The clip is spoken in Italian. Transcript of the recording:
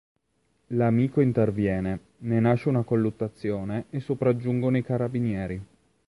L'amico interviene, ne nasce una colluttazione e sopraggiungono i carabinieri.